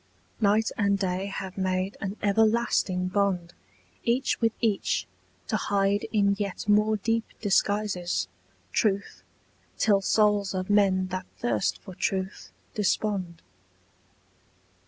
Night and day have made an everlasting bond Each with each to hide in yet more deep disguises Truth, till souls of men that thirst for truth despond.